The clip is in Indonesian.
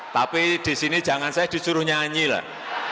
tapi di sini jangan saya disuruh nyanyi lah